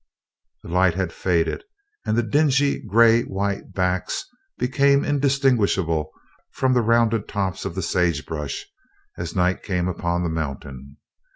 The light had faded, and the dingy gray white backs became indistinguishable from the rounded tops of the sagebrush, as night came upon the mountain.